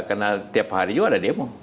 karena tiap hari juga ada demo